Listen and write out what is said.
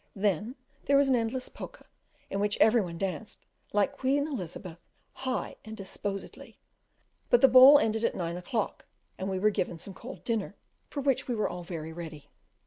Then there was an endless polka, in which everybody danced, like Queen Elizabeth, "high and disposedly;" but the ball ended at nine o'clock, and we were given some cold dinner, for which we were all very ready.